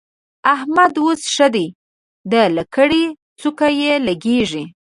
احمد اوس ښه دی؛ د لکړې څوکه يې لګېږي.